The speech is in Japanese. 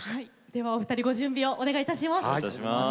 ではお二人ご準備をお願いいたします。